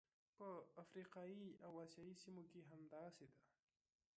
په افریقایي او اسیايي سیمو کې همداسې ده.